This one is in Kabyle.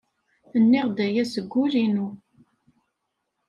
Nniɣ-d aya seg wul-inu.